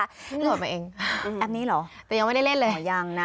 ยังโหลดมาเองแต่ยังไม่ได้เล่นเลยคือโหลดมาแต่ยังไม่ได้เล่นเลยอ๋อยังนะ